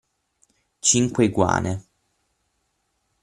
Cinque iguane.